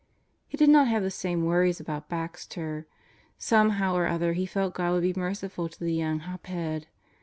He did not have the same worries about Baxter. Somehow or other he felt God would be merciful to the young hop head.